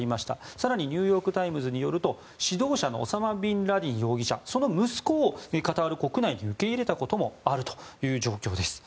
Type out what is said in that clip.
更にニューヨーク・タイムズによると指導者のオサマ・ビンラディン容疑者その息子をカタール国内で受け入れたこともあるという状況です。